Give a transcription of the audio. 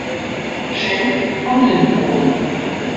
Schenk von Limpurg.